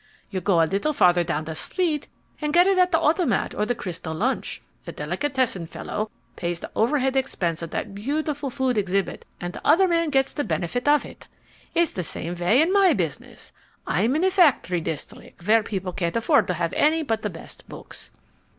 You go a little farther down the street and get it at the Automat or the Crystal Lunch. The delicatessen fellow pays the overhead expense of that beautiful food exhibit, and the other man gets the benefit of it. It's the same way in my business. I'm in a factory district, where people can't afford to have any but the best books.